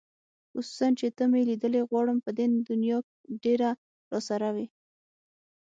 خصوصاً چې ته مې لیدلې غواړم په دې دنیا ډېره راسره وې